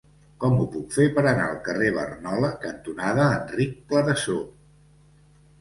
Com ho puc fer per anar al carrer Barnola cantonada Enric Clarasó?